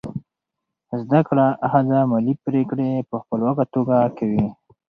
زده کړه ښځه مالي پریکړې په خپلواکه توګه کوي.